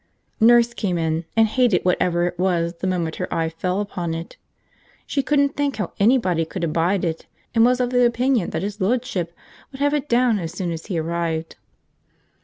Nurse came in, and hated whatever it was the moment her eye fell on it. She couldn't think how anybody could abide it, and was of the opinion that his ludship would have it down as soon as he arrived.